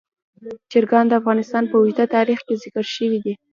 چرګان د افغانستان په اوږده تاریخ کې ذکر شوي دي.